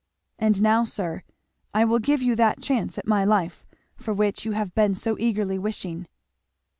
And now, sir, I will give you that chance at my life for which you have been so eagerly wishing."